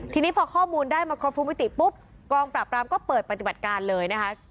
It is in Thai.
ทีนี้พอข้อมูลได้มาครบทุกมิติปุ๊บกองปราบรามก็เปิดปฏิบัติการเลยนะคะ